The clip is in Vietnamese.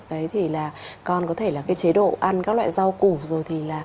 đấy thì là con có thể là cái chế độ ăn các loại rau củ rồi thì là